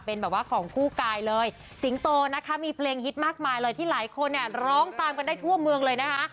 เป็นแบบว่าของคู่กายเลยสิงโตนะคะมีเพลงฮิตมากมายเลยที่หลายคนเนี่ยร้องตามกันได้ทั่วเมืองเลยนะคะ